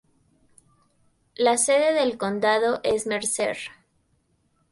La sede del condado es Mercer.